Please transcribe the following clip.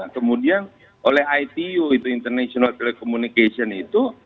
kemudian oleh itu itu international telecommunication itu